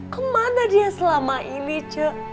kemana dia selama ini cek